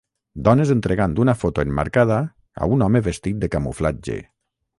Dones entregant una foto emmarcada a un home vestit de camuflatge.